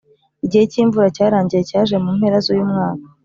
igihe cyimvura cyarangiye cyaje mu mpera zuyu mwaka.